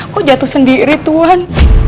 kok jatuh sendiri tuhan